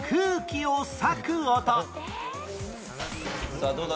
さあどうだ？